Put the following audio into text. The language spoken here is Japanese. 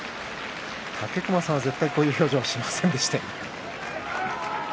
武隈さんは絶対こういう表情はしませんでしたね。